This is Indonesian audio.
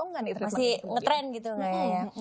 masih ngetrend gitu gak ya